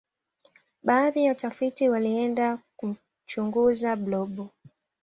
baadhi ya watafiti walienda kumchunguza blob